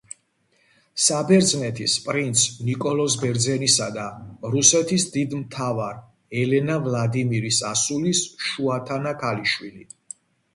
საბერძნეთის პრინც ნიკოლოზ ბერძენისა და რუსეთის დიდ მთავარ ელენა ვლადიმერის ასულის შუათანა ქალიშვილი.